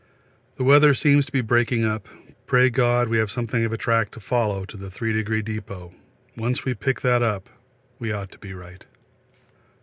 The weather seems to be breaking up. Pray God we have something of a track to follow to the Three Degree Depôt once we pick that up we ought to be right.